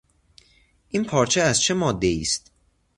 این پارچه از چه مادهای است؟